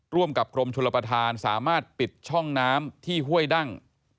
ร่วมกับกรมชลประธานสามารถปิดช่องน้ำที่ห้วยดั้ง